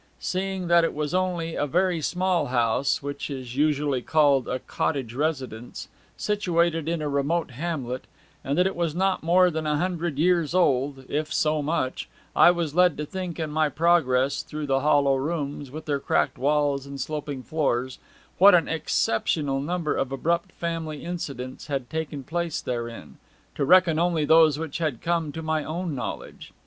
Seeing that it was only a very small house which is usually called a 'cottage residence' situated in a remote hamlet, and that it was not more than a hundred years old, if so much, I was led to think in my progress through the hollow rooms, with their cracked walls and sloping floors, what an exceptional number of abrupt family incidents had taken place therein to reckon only those which had come to my own knowledge.